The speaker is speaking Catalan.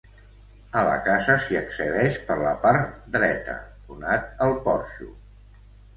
A la casa s'hi accedeix per la part dreta, donat el porxo.